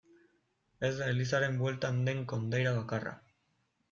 Ez da elizaren bueltan den kondaira bakarra.